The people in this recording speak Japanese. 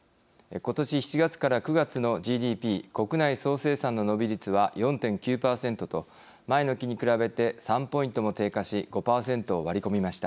ことし７月から９月のＧＤＰ＝国内総生産の伸び率は４．９％と前の期に比べて３ポイントも低下し５％を割り込みました。